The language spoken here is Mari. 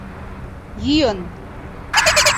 — Йӱын...